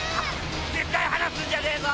絶対離すんじゃねえぞ！